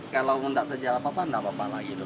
kalau gak terjaga bapak gak apa apa lagi